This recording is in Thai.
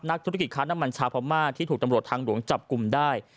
ธุรกิจค้าน้ำมันชาวพม่าที่ถูกตำรวจทางหลวงจับกลุ่มได้